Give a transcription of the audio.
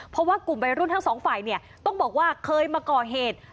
เพราะว่ากลุ่มวัยรุ่นทั้งสองฝ่ายเนี่ยต้องบอกว่าเคยมาก่อเหตุ